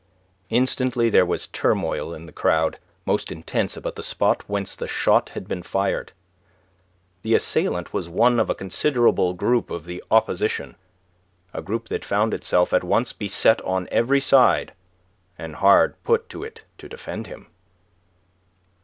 Instantly there was turmoil in the crowd, most intense about the spot whence the shot had been fired. The assailant was one of a considerable group of the opposition, a group that found itself at once beset on every side, and hard put to it to defend him.